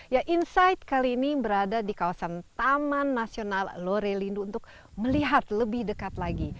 ya insight kali ini berada di kawasan taman nasional lorelindu untuk melihat lebih dekat lagi